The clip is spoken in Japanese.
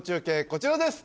こちらです